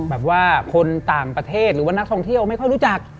แบบว่าคนต่างประเทศหรือว่านักท่องเที่ยวไม่ค่อยรู้จัก